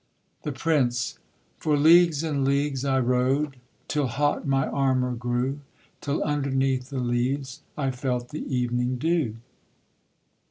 THE PRINCE. For leagues and leagues I rode, Till hot my armour grew, Till underneath the leaves I felt the evening dew.